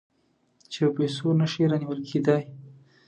چې په پیسو نه شي رانیول کېدای.